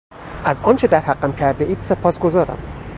از آنچه در حقم کردهاید سپاسگزارم.